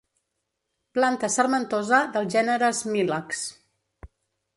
Planta sarmentosa del gènere Smilax.